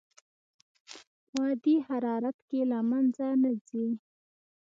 په عادي حرارت کې له منځه نه ځي.